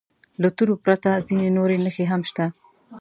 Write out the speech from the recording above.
له تورو پرته ځینې نورې نښې هم شته.